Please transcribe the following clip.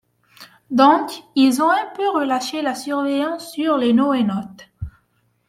Donc ils ont un peu relâché la surveillance sur les NoéNautes…